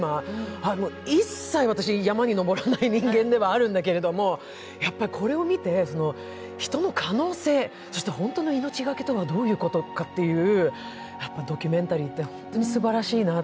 私、一切山に登らない人間ではあるんだけれども、これを見て、人の可能性、そして本当の命がけとはどういうことかという、ドキュメンタリーって本当にすばらしいなって。